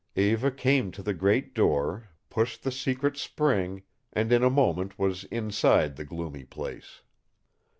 Eva came to the great door, pushed the secret spring, and in a moment was inside the gloomy place.